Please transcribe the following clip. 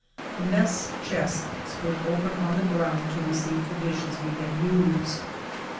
The mess chest stood open on the ground to receive the dishes we had used.